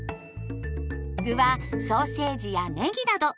具はソーセージやねぎなど。